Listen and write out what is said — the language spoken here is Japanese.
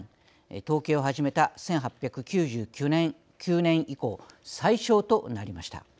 統計を始めた１８９９年以降最少となりました。